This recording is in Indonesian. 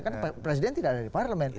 karena presiden tidak ada di parlemen